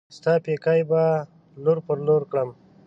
ستا پيکی به لور پر لور کړم